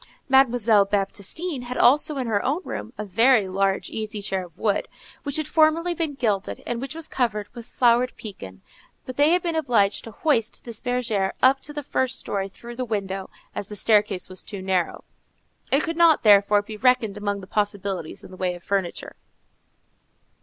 Mademoiselle Baptistine had also in her own room a very large easy chair of wood, which had formerly been gilded, and which was covered with flowered pekin; but they had been obliged to hoist this bergère up to the first story through the window, as the staircase was too narrow; it could not, therefore, be reckoned among the possibilities in the way of furniture.